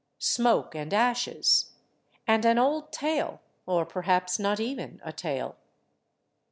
Smoke and ashes, and an old tale; or perhaps not even a tale.